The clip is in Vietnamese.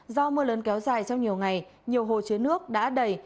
do mưa lớn kéo dài trong nhiều ngày nhiều hồ chứa nước đã đầy